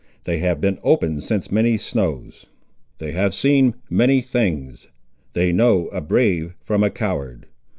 They have been open since many snows. They have seen many things—they know a brave from a coward.